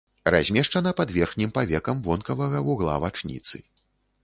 Размешчана пад верхнім павекам вонкавага вугла вачніцы.